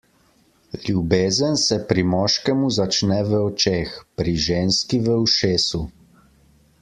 Ljubezen se pri moškemu začne v očeh, pri ženski v ušesu.